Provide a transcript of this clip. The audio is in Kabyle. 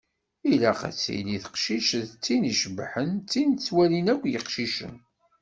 Ilaq ad tili teqcict d tin icebḥen, tin ttwalin akk yiqcicen.